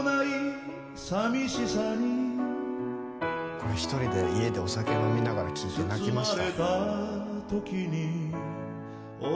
これ１人で家でお酒飲みながら聴いて泣きました。